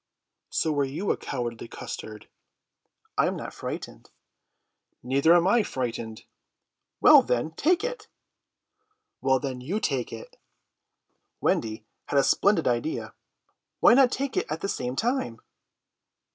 "So are you a cowardly custard." "I'm not frightened." "Neither am I frightened." "Well, then, take it." "Well, then, you take it." Wendy had a splendid idea. "Why not both take it at the same time?"